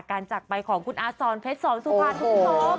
การจักรไปของคุณอาทรณ์เพชรสองสุพรรณทุกท้อง